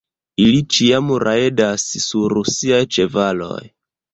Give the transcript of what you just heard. Ili ĉiam rajdas sur siaj ĉevaloj!